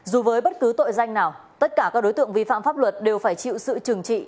dù với bất cứ tội danh nào tất cả các đối tượng vi phạm pháp luật đều phải chịu sự trừng trị